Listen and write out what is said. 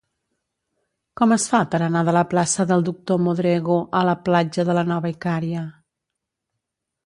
Com es fa per anar de la plaça del Doctor Modrego a la platja de la Nova Icària?